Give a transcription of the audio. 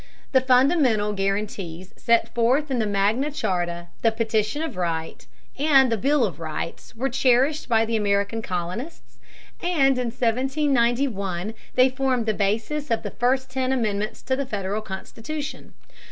The fundamental guarantees set forth in the Magna Charta, the Petition of Right, and the Bill of Rights were cherished by the American colonists, and in 1791 they formed the basis of the first ten Amendments to the Federal Constitution.